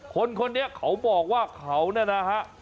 คนเขาบอกว่าเขานี่นะฮะ